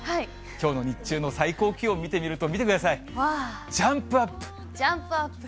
きょうの日中の最高気温見てみると、見てください、ジャンプアッジャンプアップ。